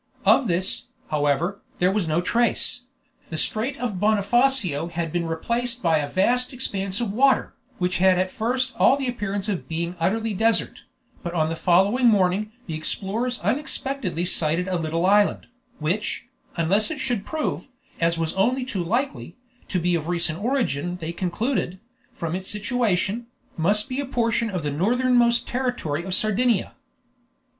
Of this, however, there was now no trace; the Strait of Bonifacio had been replaced by a vast expanse of water, which had at first all the appearance of being utterly desert; but on the following morning the explorers unexpectedly sighted a little island, which, unless it should prove, as was only too likely, to be of recent origin they concluded, from its situation, must be a portion of the northernmost territory of Sardinia.